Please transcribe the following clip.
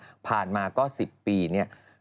ผ่านมาก็๑๐ปีเนี่ย